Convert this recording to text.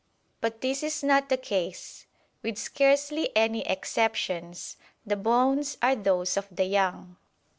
But this is not the case. With scarcely any exceptions, the bones are those of the young.